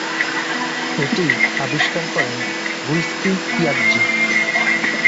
এটি আবিষ্কার করেন গুইস্পিপিয়াজ্জি।